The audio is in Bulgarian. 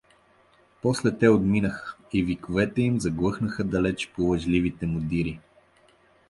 После те отминаха и виковете им заглъхнаха далеч по лъжливите му дири.